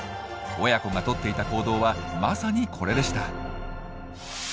親子がとっていた行動はまさにこれでした。